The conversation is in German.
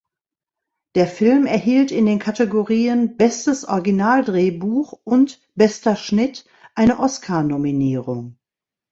Der Film erhielt in den Kategorien „Bestes Originaldrehbuch“ und „Bester Schnitt“ eine Oscarnominierung.